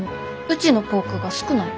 うちのポークが少ない。